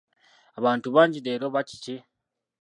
Abantu bangi leero oba kiki?